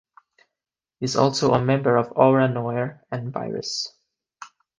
He's also a member of Aura Noir and Virus.